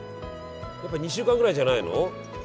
えやっぱ２週間ぐらいじゃないの？